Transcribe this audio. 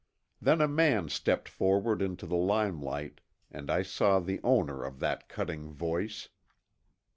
Then a man stepped forward into the limelight and I saw the owner of that cutting voice.